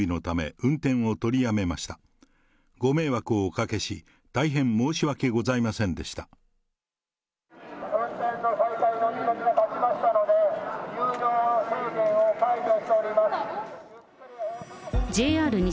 運転再開の見込みが立ちましたので、入場制限を解除しております。